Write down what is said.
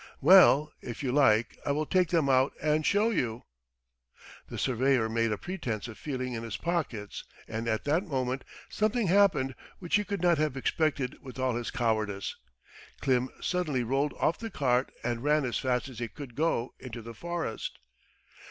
Well, if you like I will take them out and show you. ..." The surveyor made a pretence of feeling in his pockets and at that moment something happened which he could not have expected with all his cowardice. Klim suddenly rolled off the cart and ran as fast as he could go into the forest.